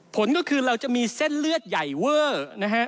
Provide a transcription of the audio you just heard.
ผลก็คือเราจะมีเส้นเลือดใหญ่เวอร์นะฮะ